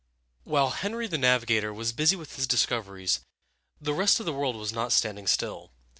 While Henry the Navigator was busy with his discoveries, the rest of the world was not standing still.